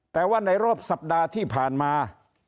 แต่ว่าในรอบสัปดาห์ที่ผ่านมา